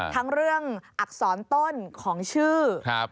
ทั้งเรื่องอักษรต้นของชื่อ